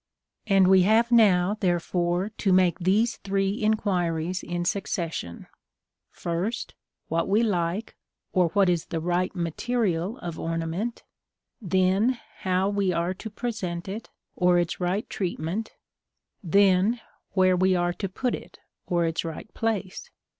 And we have now, therefore, to make these three inquiries in succession: first, what we like, or what is the right material of ornament; then how we are to present it, or its right treatment; then, where we are to put it, or its right place.